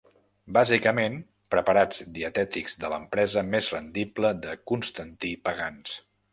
Bàsicament preparats dietètics de l'empresa més rendible de Constantí Pagans.